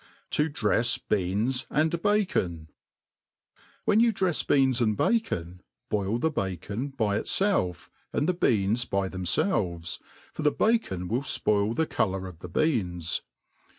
To drefs Beans and Bacon. WHEN you drefs beans and bacon, boil the bacon by !t* felf, and the beans by themfelves, for the bacon will fpoil the colour of the beans.